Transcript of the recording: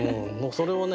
それをね